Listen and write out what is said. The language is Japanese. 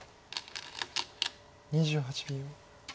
２８秒。